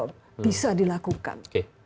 itu bisa dilakukan